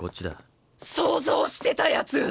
想像してたやつ！